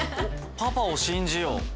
パパを信じよう？